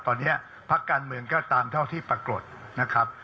ตอนนี้พักการเมืองก็ตามเท่าที่ปรากฏนะครับ